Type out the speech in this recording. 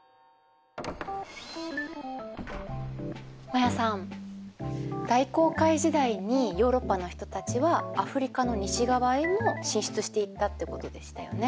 マヤさん大航海時代にヨーロッパの人たちはアフリカの西側へも進出していったってことでしたよね。